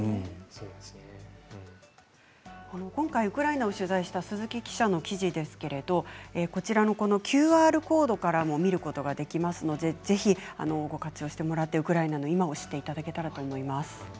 今回ウクライナを取材した鈴木記者の記事ですがＱＲコードからも見ることができますので活用していただいてウクライナの今を知っていただけたらと思います。